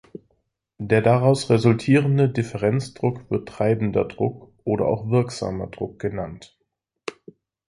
Der daraus resultierende Differenzdruck wird „treibender Druck“ oder auch „wirksamer Druck“ genannt.